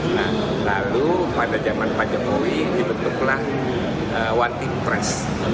nah lalu pada zaman pak jokowi dibentuklah one team press